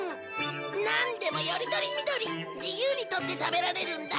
なんでもより取り見取り自由に取って食べられるんだ！